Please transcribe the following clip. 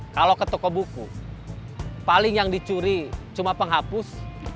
kalau ke toko buku paling yang dicuri cuma penghapus